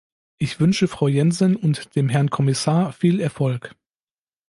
Ich wünsche Frau Jensen und dem Herrn Kommissar viel Erfolg.